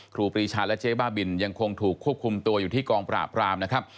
ครูปรีชาและเจ๊บ้าบินยังคงถูกควบคุมตัวอยู่ที่กองปราบรามนะครับ